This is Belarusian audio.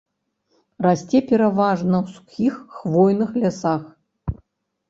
Расце пераважна ў сухіх хвойных лясах.